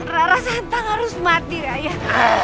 rara santang harus mati ayah